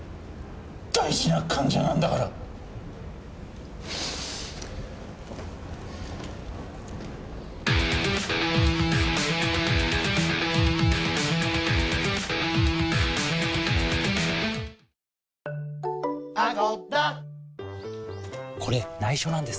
大事な患者なんだから！つらいの？